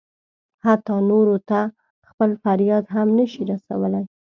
حتی نورو ته خپل فریاد هم نه شي رسولی.